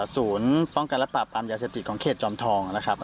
ศูนย์ป้องกันและปราบปรามยาเสพติดของเขตจอมทองนะครับ